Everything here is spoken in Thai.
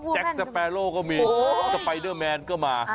แจ็คเรแม่งก็มีสไปเดอร์แมนก็มา